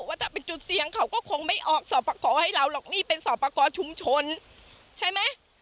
ว่าถ้าเป็นจุดเสี่ยงเขาก็คงไม่ออกสอบประกอบให้เราหรอกนี่เป็นสอบประกอบชุมชนใช่ไหม